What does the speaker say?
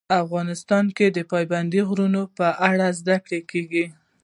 افغانستان کې د پابندي غرونو په اړه زده کړه کېږي.